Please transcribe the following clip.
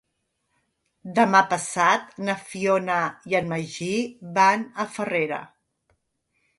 Demà passat na Fiona i en Magí van a Farrera.